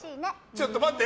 ちょっと待って。